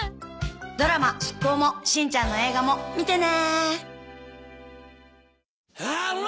ドラマ『シッコウ！！』もしんちゃんの映画も見てね！